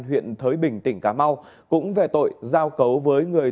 huyện thới bình tỉnh cà mau cũng về tội giao cấu với người